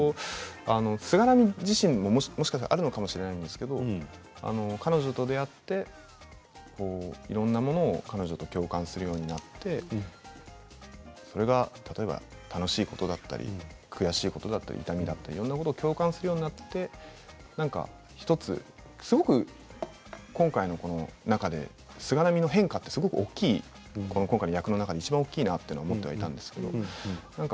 菅波自身ももしかしたらあるのかもしれないんですけど彼女と出会っていろんなものに彼女と共感するようになってそれが例えば楽しいことだったり悔しいことだったり、痛みいろんなことを共感するようになってすごく今回の中で菅波の変化ってすごく大きい僕の役の中でいちばん大きいなと思っていたんですけど